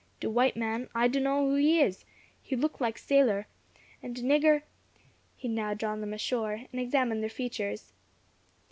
"De w'ite man, I dun know[#] who he is, he look like sailor; and de nigger " He had now drawn them ashore, and examined their features.